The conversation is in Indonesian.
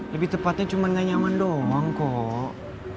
lebih tepatnya cuman gak nyaman doang kok